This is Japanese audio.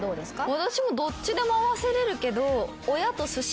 私もどっちでも合わせれるけど。